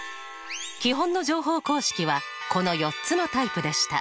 基本の乗法公式はこの４つのタイプでした。